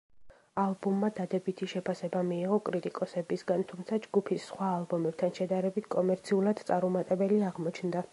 ალბომმა დადებითი შეფასება მიიღო კრიტიკოსებისგან, თუმცა ჯგუფის სხვა ალბომებთან შედარებით კომერციულად წარუმატებელი აღმოჩნდა.